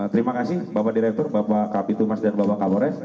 terima kasih bapak direktur bapak kapitul mas dan bapak kabores